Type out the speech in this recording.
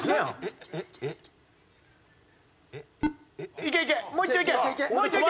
いけいけ！